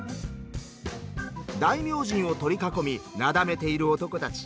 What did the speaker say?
大明神を取り囲みなだめている男たち。